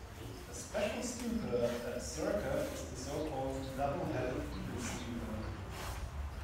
A special Stupa at Sirkap is the so-called 'Double-Headed Eagle Stupa'.